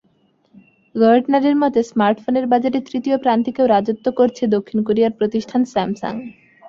গার্টনারের মতে, স্মার্টফোনের বাজারে তৃতীয় প্রান্তিকেও রাজত্ব করছে দক্ষিণ কোরিয়ার প্রতিষ্ঠান স্যামসাং।